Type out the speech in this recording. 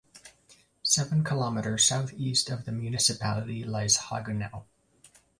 Seven kilometer southeast of the municipality lies Haguenau.